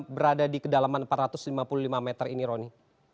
berada di kedalaman empat ratus lima puluh lima meter ini roni